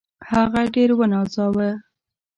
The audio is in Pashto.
هغه ډېر ونازاوه.